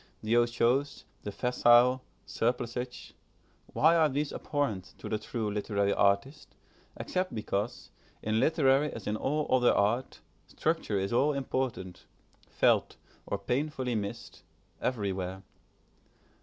The otiose, the facile, surplusage: why are these abhorrent to the true literary artist, except because, in literary as in all other art, structure is all important, felt, or painfully missed, everywhere?